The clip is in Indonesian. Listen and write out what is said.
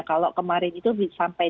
kalau kemarin itu sampai